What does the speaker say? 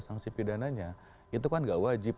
sanksi pidananya itu kan nggak wajib